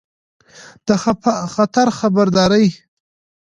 د خطر خبرداری